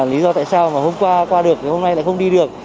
lý do tại sao mà hôm qua qua được thì hôm nay lại không đi được